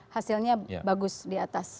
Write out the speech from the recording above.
hasilnya bagus di atas